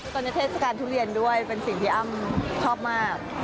ตอนนี้เทศกาลทุเรียนด้วยเป็นสิ่งที่อ้ำชอบมาก